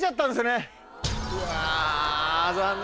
うわ残念！